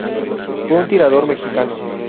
Fue un tirador mexicano.